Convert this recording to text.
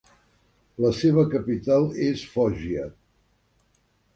La seva capital és Foggia.